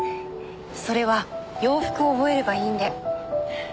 それは洋服を覚えればいいんで。